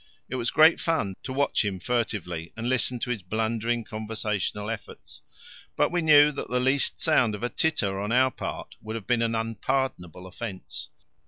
It was great fun to watch him furtively and listen to his blundering conversational efforts, but we knew that the least sound of a titter on our part would have been an unpardonable offence.